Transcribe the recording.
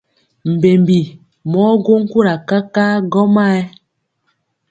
Mbembi mɔɔ gwo nkura kakaa gɔmayɛ.